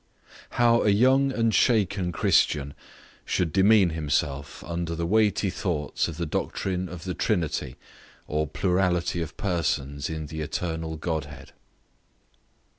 _How a young or shaken Christian should demean himself under the weighty thoughts of the Doctrine of the Trinity or Plurality of Persons in the eternal Godhead_.